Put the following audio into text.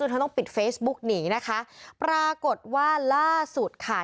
เธอต้องปิดเฟซบุ๊กหนีนะคะปรากฏว่าล่าสุดค่ะ